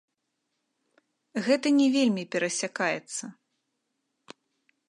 Гэта не вельмі перасякаецца.